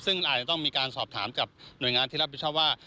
ซึ่งอาจจะต้องมีการสอบถามกับหน่วยงานที่รับผิดชอบว่า